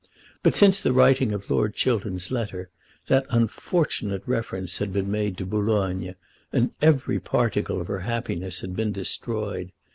But since the writing of Lord Chiltern's letter that unfortunate reference had been made to Boulogne, and every particle of her happiness had been destroyed.